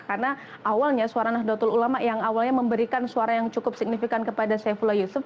karena awalnya suara nahdlatul ulama yang awalnya memberikan suara yang cukup signifikan kepada saifula yusuf